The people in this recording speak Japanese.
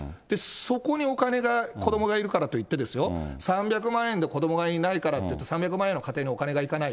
そこにお金が、子どもがいるからといって、３００万円で子どもがいないからって、３００万円の家庭にお金がいかない？